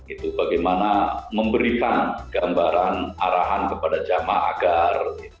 itu bagaimana memberikan gambaran arahan kepada jamaah agar